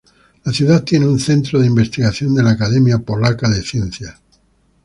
La ciudad tiene un centro de investigación de la Academia Polaca de Ciencias.